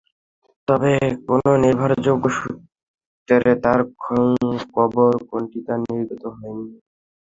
তবে কোন নির্ভরযোগ্য সূত্রে তাঁর কবর কোনটি তা নির্ণিত হয়নি।